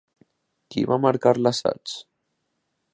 Qui va marcar l'assaig?